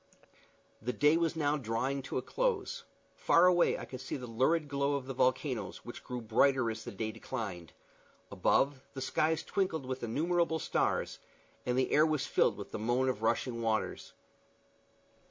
The day was now drawing to a close; far away I could see the lurid glow of the volcanoes, which grew brighter as the day declined: above, the skies twinkled with innumerable stars, and the air was filled with the moan of rushing waters.